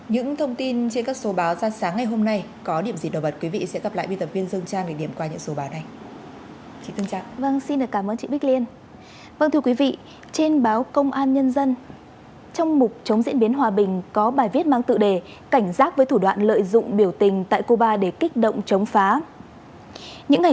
những thông tin trên các số báo ra sáng ngày hôm nay có điểm gì đổi bật quý vị sẽ gặp lại viên tập viên dương trinh